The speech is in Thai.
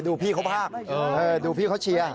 พี่เขาภาคดูพี่เขาเชียร์